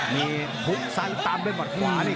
มีหุ้นสันตำด้วยหมัดขวา